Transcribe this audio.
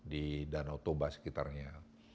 di danau toba sekitarnya